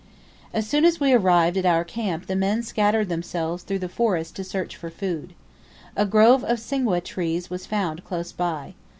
As soon as we arrived at our camp the men scattered themselves through the forest to search for food. A grove of singwe trees was found close by.